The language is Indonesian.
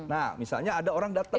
nah misalnya ada orang datang